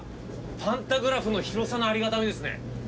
パンタグラフの広さのありがたみですね。